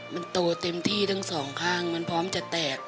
มันโตเต็มที่ทั้งสองข้างมันพร้อมจะแตก